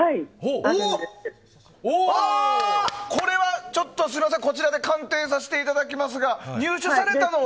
これはちょっとこちらで鑑定させていただきますが入手されたのは。